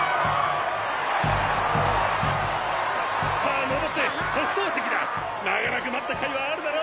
さあのぼって特等席だ長らく待った甲斐はあるだろ？